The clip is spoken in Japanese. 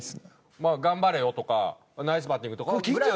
まあ「頑張れよ」とか「ナイスバッティング」とかぐらいは。